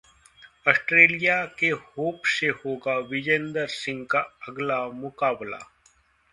Australia के Hope से होगा विजेंदर सिंह का अगला मुकाबला